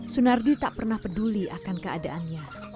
sunardi tak pernah peduli akan keadaannya